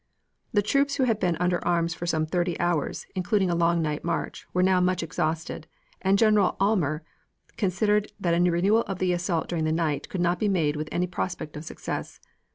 The troops who had been under arms for some thirty hours, including a long night march, were now much exhausted, and General Aylmer considered that a renewal of the assault during the night could not be made with any prospect of success.